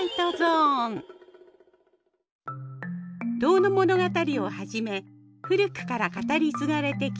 「遠野物語」をはじめ古くから語り継がれてきたカッパの存在。